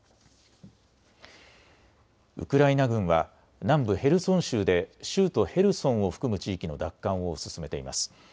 ウクライナ軍は南部ヘルソン州で州都ヘルソンを含む地域の奪還を進めています。